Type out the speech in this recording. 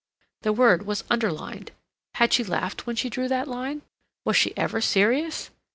The word was underlined. Had she laughed when she drew that line? Was she ever serious?